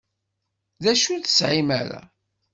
D acu ur tesɛim ara?